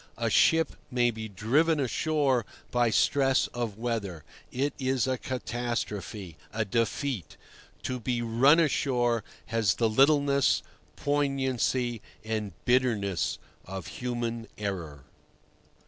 A ship may be "driven ashore" by stress of weather. It is a catastrophe, a defeat. To be "run ashore" has the littleness, poignancy, and bitterness of human error.